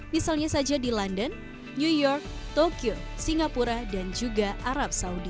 misalnya saja di london new york tokyo singapura dan juga arab saudi